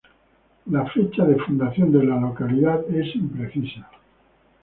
La fecha de fundación de la localidad es imprecisa.